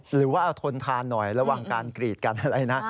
หรือว่าเอาทนทานหน่อยระวังการกรีดการอะไรนะ